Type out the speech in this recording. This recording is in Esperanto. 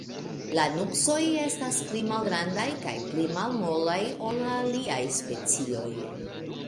La nuksoj estas pli malgrandaj kaj pli malmolaj, ol la aliaj specioj.